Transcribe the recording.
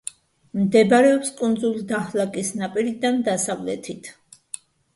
მდებარეობს კუნძულ დაჰლაკის ნაპირიდან დასავლეთით.